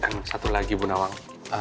dan satu lagi bu nawang